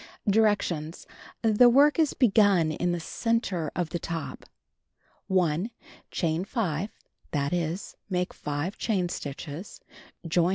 Directions: The work is begun in the center of the top. 1. Chain 5; that is, make 5 chain stitches.